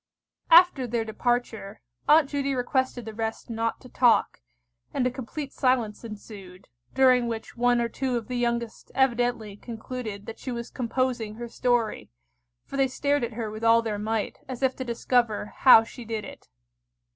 After their departure, Aunt Judy requested the rest not to talk, and a complete silence ensued, during which one or two of the youngest evidently concluded that she was composing her story, for they stared at her with all their might, as if to discover how she did it.